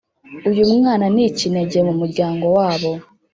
uyumwana ni ikinege mumuryango wabo